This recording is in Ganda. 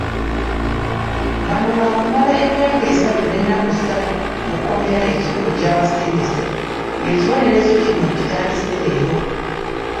Bano baakumala emyaka esatu n'ennaku satu mu kkomera e Kigo gy'abasindise ng'ekibonerezo kino kitandise leero.